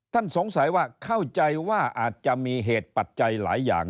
สงสัยว่าเข้าใจว่าอาจจะมีเหตุปัจจัยหลายอย่าง